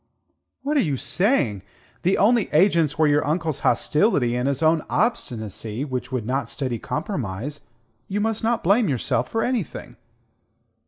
"What are you saying? The only agents were your uncle's hostility and his own obstinacy which would not study compromise. You must not blame yourself for anything."